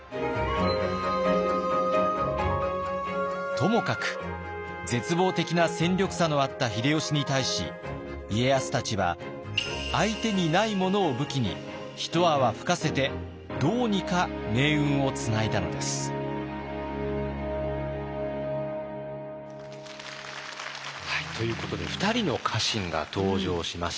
ともかく絶望的な戦力差のあった秀吉に対し家康たちは相手にないものを武器に一泡吹かせてどうにか命運をつないだのです。ということで２人の家臣が登場しました。